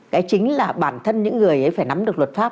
cái chính là bản thân những người ấy phải nắm được